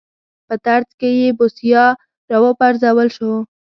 په ترڅ کې یې بوسیا راوپرځول شو.